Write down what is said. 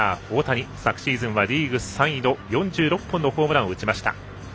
大谷昨シーズンはリーグ３位の４６本のホームランを打ちました。